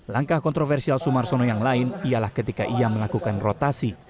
langkah kontroversial sumarsono yang lain ialah ketika ia melakukan rotasi